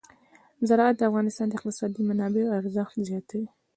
زراعت د افغانستان د اقتصادي منابعو ارزښت زیاتوي.